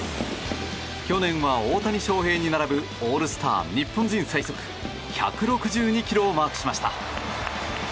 去年は大谷翔平に並ぶオールスター日本人最速１６２キロをマークしました。